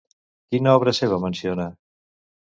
Quina obra seva menciona?